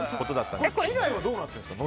機内はどうなってるんですか？